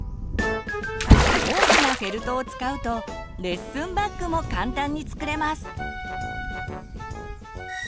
大きなフェルトを使うとレッスンバッグも簡単に作れます。